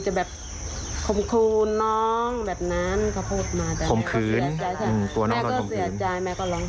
จะแบบคมคูณน้องแบบนั้นเขาพูดมาคมคืนแม่ก็เสียใจแม่ก็ร้อง